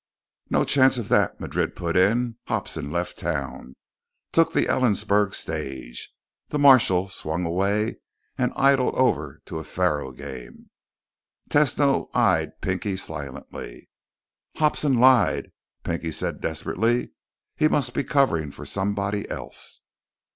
"No chance of that," Madrid put in. "Hobson left town. Took the Ellensburg stage." The marshal swung away and idled over to a faro game. Tesno eyed Pinky silently. "Hobson lied," Pinky said desperately. "He must be covering for somebody else."